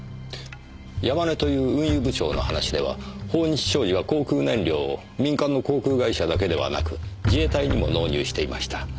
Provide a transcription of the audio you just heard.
山根という運輸部長の話では豊日商事は航空燃料を民間の航空会社だけではなく自衛隊にも納入していました。